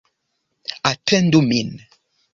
Atendu min.